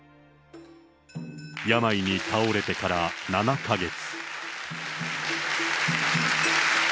病に倒れてから７か月。